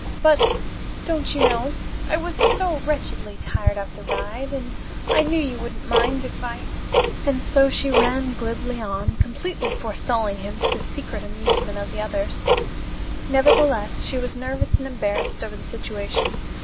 But, don't you know, I was so wretchedly tired after the ride, and I knew you wouldn't mind if I " and so she ran glibly on, completely forestalling him, to the secret amusement of the others. Nevertheless, she was nervous and embarrassed over the situation.